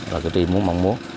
và cái gì mong mong muốn